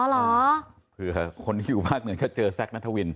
เหมือนจะเจอแซคนัทธาวิน